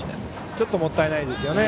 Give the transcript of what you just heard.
ちょっともったいないですよね。